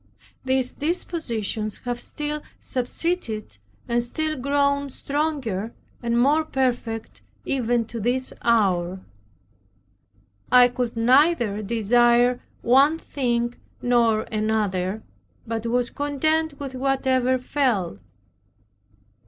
These dispositions have still subsisted, and still grown stronger, and more perfect even to this hour. I could neither desire one thing nor another, but was content with whatever fell.